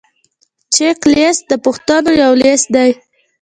چک لیست د پوښتنو یو لیست دی.